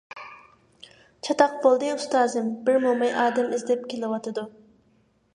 چاتاق بولدى، ئۇستازىم، بىر موماي ئادەم ئىزدەپ كېلىۋاتىدۇ!